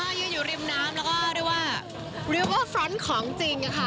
ยืนอยู่ริมน้ำแล้วก็เรียกว่าฟรอนต์ของจริงค่ะ